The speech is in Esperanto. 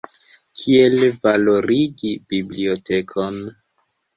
Kiel valorigi bibliotekon.